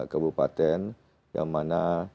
kabupaten yang mana